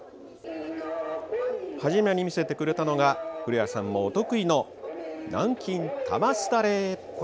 初めに見せてくれたのが古谷さんもお得意の南京玉すだれ。